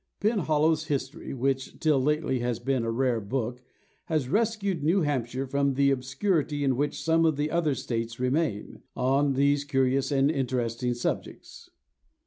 Penhallow's History, which till lately has been a rare book, has rescued New Hampshire from the obscurity in which some of the other states remain, on these curious and interesting subjects.